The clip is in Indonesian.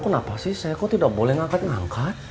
kenapa sih saya kok tidak boleh ngangkat ngangkat